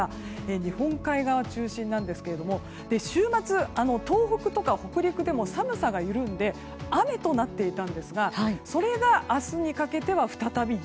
日本海側中心ですが週末、東北とか北陸でも寒さが緩んで雨となっていたんですがそれが明日にかけて再び雪。